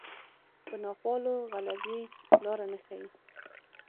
پر ناخوالو غلبې لاره نه ښيي